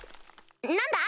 何だ？